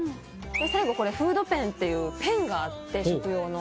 最後これ「フードペン」っていうペンがあって食用の。